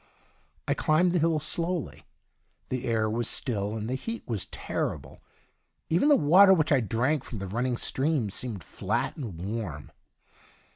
I climbed the hill slowly ; the air was still, and the heat was terrible. Even the water which I drank from the running stream seemed flat and warm.